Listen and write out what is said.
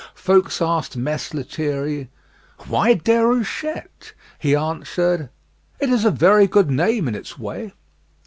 Folks asked Mess Lethierry "why Déruchette?" He answered, "It is a very good name in its way."